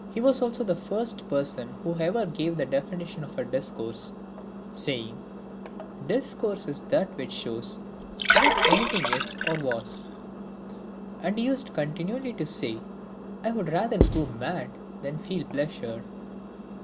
IV. He was also the first person who ever gave a definition of discourse, saying, " Discourse is that which shows what 218 LIVES OF EMINENT PHILOSOPHERS. anything is or was." And he used continually to say, " I would rather go mad than feel pleasure."